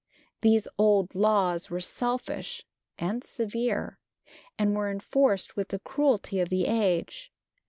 These old laws were selfish and severe, and were enforced with the cruelty of the age.